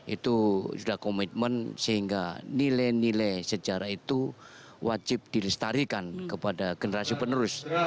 itu sudah komitmen sehingga nilai nilai sejarah itu wajib dilestarikan kepada generasi penerus